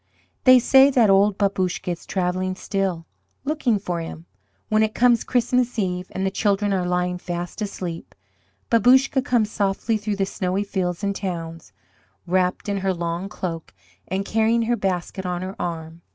They say that old Babouscka is travelling still, looking for Him. When it comes Christmas Eve, and the children are lying fast asleep, Babouscka comes softly through the snowy fields and towns, wrapped in her long cloak and carrying her basket on her arm.